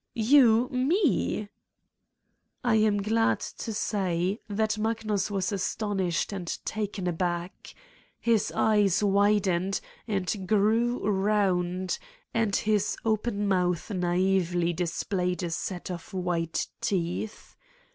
"You? Me?" I am glad to say that Magnus was astonished and taken aback. His eyes widened and grew round and his open mouth naively displayed a set of white teeth.